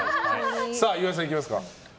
岩井さん、いきますか。